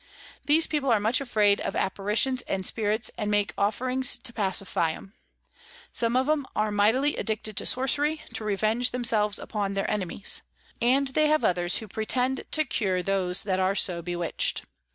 These People are much afraid of Apparitions and Spirits, and make Offerings to pacify 'em. Some of 'em are mightily addicted to Sorcery, to revenge themselves upon their Enemies; and they have others who pretend to cure those that are so bewitch'd.